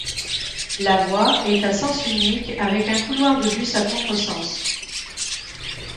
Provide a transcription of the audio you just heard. La voie est à sens unique avec un couloir de bus à contre sens.